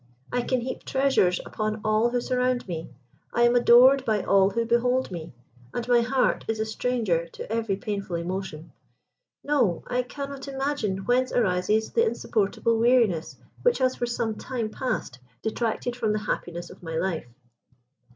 I can heap treasures upon all who surround me. I am adored by all who behold me, and my heart is a stranger to every painful emotion. No! I cannot imagine whence arises the insupportable weariness which has for some time past detracted from the happiness of my life."